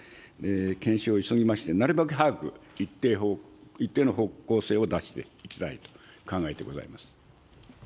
検証を急ぎまして、なるべく早く一定の方向性を出していきたいと考えてございます。